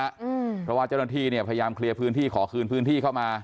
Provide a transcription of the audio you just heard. เพราะว่าเจ้าหน้าที่เนี่ยพยายามเคลียร์พื้นที่ขอคืนพื้นที่เข้ามา